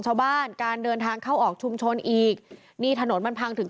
ชาวบ้านการเดินทางเข้าออกชุมชนอีกนี่ถนนมันพังถึง